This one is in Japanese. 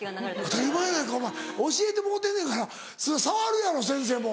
当たり前やないかお前教えてもろうてんねんから触るやろ先生も。